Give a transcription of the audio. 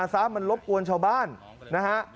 อาสาว่ามันรบกวนชาวบ้านนะฮะ